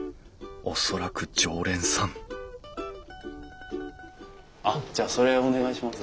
恐らく常連さんあっじゃあそれをお願いします。